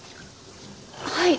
はい。